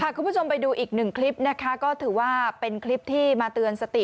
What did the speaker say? คุณผู้ชมไปดูอีกหนึ่งคลิปนะคะก็ถือว่าเป็นคลิปที่มาเตือนสติ